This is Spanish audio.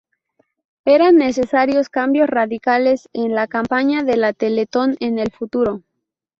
Eran necesarios cambios radicales en la campaña de la Teletón en el futuro.